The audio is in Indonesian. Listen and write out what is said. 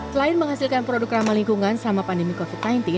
selain menghasilkan produk ramah lingkungan selama pandemi covid sembilan belas